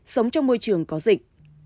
sống trong môi trường có dịch